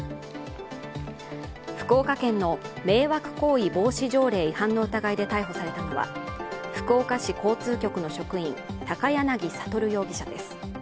福岡県の迷惑行為防止条例違反の疑いで逮捕されたのは福岡市交通局の職員、高柳悟容疑者です。